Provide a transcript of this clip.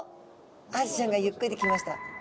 アジちゃんがゆっくり来ました。